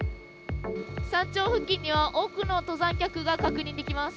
山頂付近には多くの登山客が確認できます。